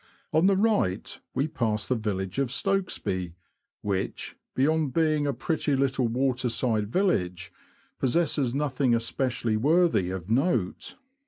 On the right we pass the village of Stokesby, which, beyond being a pretty little waterside village, possesses nothing especially worthy of note.